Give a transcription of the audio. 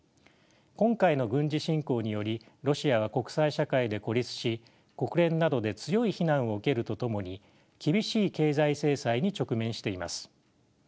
今回の軍事侵攻によりロシアは国際社会で孤立し国連などで強い非難を受けるとともに厳しい経済制裁に直面しています。